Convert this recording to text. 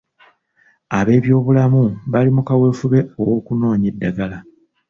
Ab’ebyobulamu bali mu kaweefube ow’okunoonya eddagala.